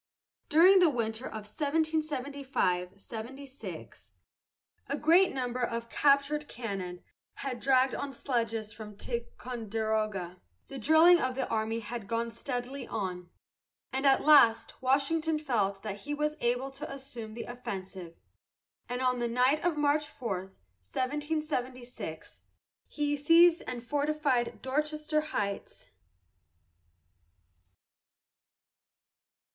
During the winter of 1775 76, a great number of captured cannon had been dragged on sledges from Ticonderoga, the drilling of the army had gone steadily on, and at last Washington felt that he was able to assume the offensive, and on the night of March 4, 1776, he seized and fortified Dorchester Heights.